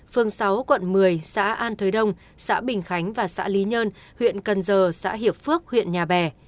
phương sáu quận một mươi xã an thới đông xã bình khánh và xã lý nhơn huyện cần giờ xã hiệp phước huyện nhà bè